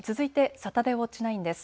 サタデーウオッチ９です。